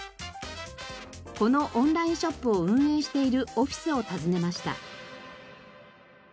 このオンラインショップを運営しているオフィスを訪ねました。